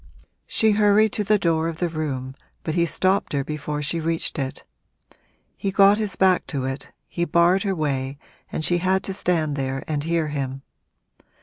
She hurried to the door of the room, but he stopped her before she reached it. He got his back to it, he barred her way and she had to stand there and hear him.